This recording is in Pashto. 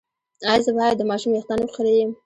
ایا زه باید د ماشوم ویښتان وخرییم؟